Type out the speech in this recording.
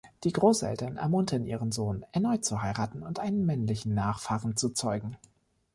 Die Großeltern ermuntern ihren Sohn, erneut zu heiraten und einen männlichen Nachfahren zu zeugen.